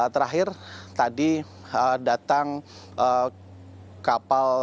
terakhir tadi datang kapal kirana tiga dengan mewah sembilan ribu